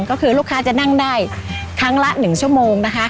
ก็คือลูกค้าจะนั่งได้ครั้งละ๑ชั่วโมงนะคะ